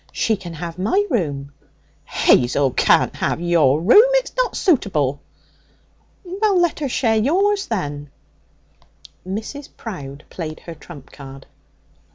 'She can have my room.' 'Hazel can't have your room. It's not suitable.' 'Well, let her share yours, then.' Mrs. Prowde played her trump card.